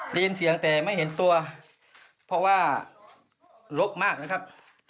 ได้ยินเสียงแต่ไม่เห็นตัวเพราะว่าลกมากนะครับ